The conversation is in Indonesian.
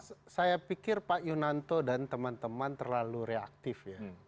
ya saya pikir pak yunanto dan teman teman terlalu reaktif ya